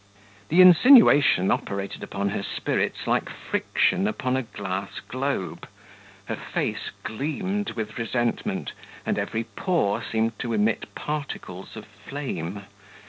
The insinuation operated upon her spirits like friction upon a glass globe: her face gleamed with resentment, and every pore seemed to emit particles of flame.